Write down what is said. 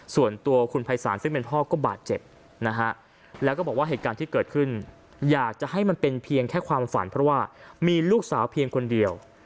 ส่วนตัวคุณภัยศาลซึ่งเป็นพ่อก็บาดเจ็บนะฮะแล้วก็บอกว่าเหตุการณ์ที่เกิดขึ้นอยากจะให้มันเป็นเพียงแค่ความฝันเพราะว่ามีลูกสาวเพียงคนเดียว